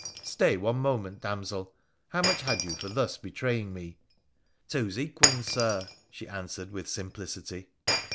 ' Stay one moment, damsel ! How much had you for thug betraying me ?'' Two zequins, Sir,' she answered with simplicity.